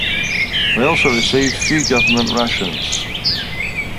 They also received few government rations.